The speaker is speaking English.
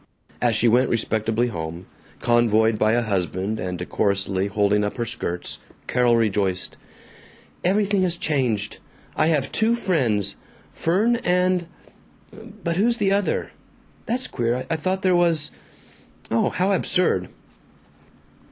As she went respectably home, convoyed by a husband, and decorously holding up her skirts, Carol rejoiced, "Everything has changed! I have two friends, Fern and But who's the other? That's queer; I thought there was Oh, how absurd!"